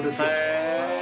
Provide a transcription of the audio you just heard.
へえ。